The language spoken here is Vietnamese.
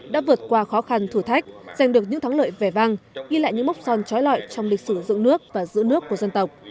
đã vượt qua khó khăn thử thách giành được những thắng lợi vẻ vang ghi lại những mốc son trói lọi trong lịch sử dựng nước và giữ nước của dân tộc